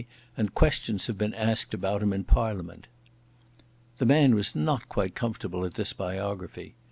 and questions have been asked about him in Parliament." The man was not quite comfortable at this biography.